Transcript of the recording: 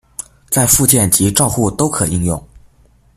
在復健及照護都可應用